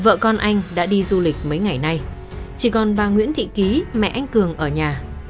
vợ con anh đã đi du lịch mấy ngày nay chỉ còn bà nguyễn thị ký mẹ anh cường ở nhà